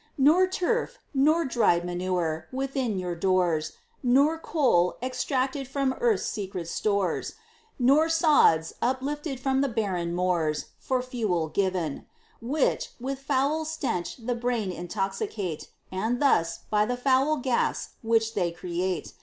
Nor turf, nor dried manure, within your doors, Nor coal, extracted from earth's secret stores, Nor sods, uplifted from the barren moors, For fuel given; Which, with foul stench the brain intoxicate, And thus, by the foul gas which they create.